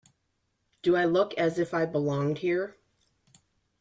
Do I look as if I belonged here?